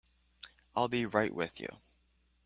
I'll be right with you.